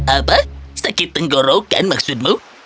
apa sakit tenggorokan maksudmu